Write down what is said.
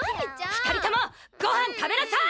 ２人ともご飯食べなさい！